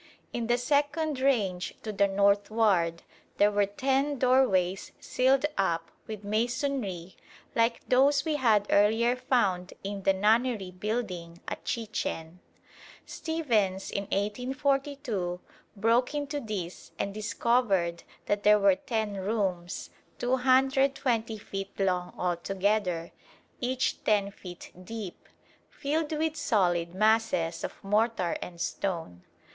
In the second range to the northward there were ten doorways sealed up with masonry like those we had earlier found in the Nunnery building at Chichen. Stephens in 1842 broke into these and discovered that there were ten rooms, 220 feet long altogether, each 10 feet deep, filled with solid masses of mortar and stone.